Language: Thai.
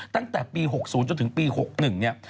ตั้งแต่ปี๖๐จนถึงปี๖๑